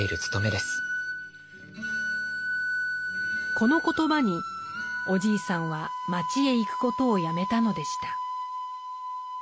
この言葉におじいさんは町へ行くことをやめたのでした。